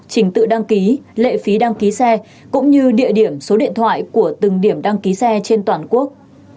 trình tự đăng ký lệ phí đăng ký xe cũng như địa điểm số điện thoại của từng điểm đăng ký xe trên toàn quốc